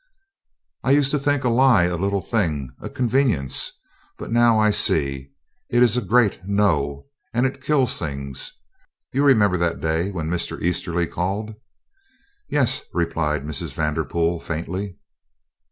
"I used to think a lie a little thing, a convenience; but now I see. It is a great No and it kills things. You remember that day when Mr. Easterly called?" "Yes," replied Mrs. Vanderpool, faintly.